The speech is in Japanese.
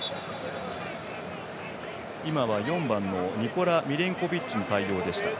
今は４番のニコラ・ミレンコビッチの対応でした。